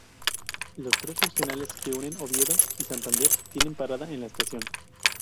Los trenes regionales que unen Oviedo y Santander tienen parada en la estación.